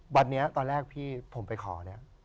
วันนี้ตอนแรกพี่ผมไปขอเนี่ย